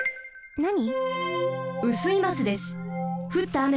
なに？